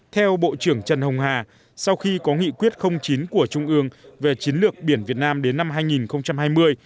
theo bộ trưởng trần hồng hà sau khi có nghị quyết chín của trung ương về chiến lược biển việt nam đến năm hai nghìn hai mươi